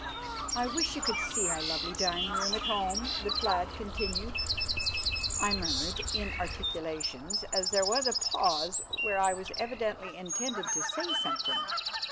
"I wish you could see our lovely dining room at home," the plaid continued. I murmured inarticulations, as there was a pause where I was evidently intended to say something.